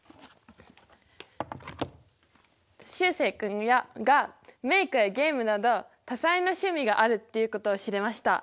しゅうせい君がメイクやゲームなどたさいなしゅみがあるっていうことを知れました。